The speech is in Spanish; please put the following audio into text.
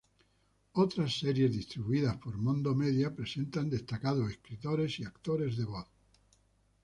Otras series distribuidas por Mondo Media presentan destacados escritores y actores de voz.